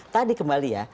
tadi kembali ya